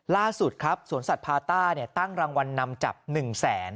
ล่าสุดครับสวนสัตว์พาต้าตั้งรางวัลนำจับ๑แสน